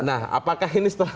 nah apakah ini setelah